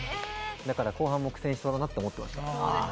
だから後半も苦戦しそうだなと思ってました。